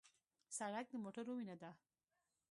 سړک د موټرو وینه ده.